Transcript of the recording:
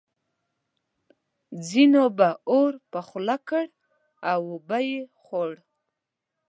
ځینو به اور په خوله کړ او وبه یې خوړ.